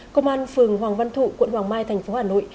công an phường hoàng văn thụ quận hoàng mai thành phố hà nội